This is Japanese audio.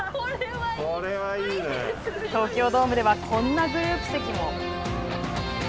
東京ドームではこんなグループ席も。